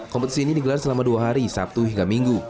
kompetisi ini digelar selama dua hari sabtu hingga minggu